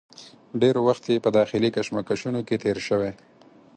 ډېر وخت یې په داخلي کشمکشونو کې تېر شوی.